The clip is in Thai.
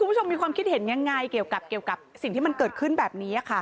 คุณผู้ชมมีความคิดเห็นยังไงเกี่ยวกับสิ่งที่มันเกิดขึ้นแบบนี้ค่ะ